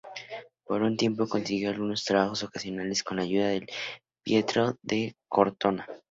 Por un tiempo consiguió algunos trabajos ocasionales, con la ayuda de Pietro da Cortona.